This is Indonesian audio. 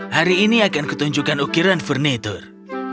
hari ini akan kutunjukkan ukiran perniatur